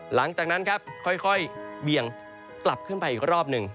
หลังจากนั้นครับค่อยเบี่ยงกลับขึ้นไปอีกรอบหนึ่ง